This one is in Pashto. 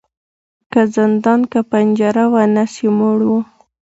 که زندان که پنجره وه نس یې موړ وو